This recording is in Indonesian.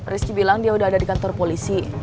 rizky bilang dia udah ada di kantor polisi